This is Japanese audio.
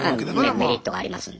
メリットがありますんで。